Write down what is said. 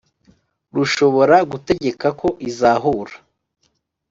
Rushobora gutegeka ko izahura